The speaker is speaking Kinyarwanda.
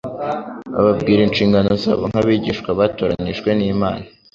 ababwira inshingano zabo nk'abigishwa batoranijwe n'Imana